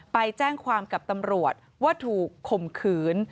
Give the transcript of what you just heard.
ไปแจ้งความกับตำรวจว่าถูกข่มขืน